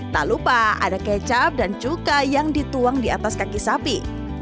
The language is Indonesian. tak lupa ada kecap dan cukai yang dituang di atas kaki sapi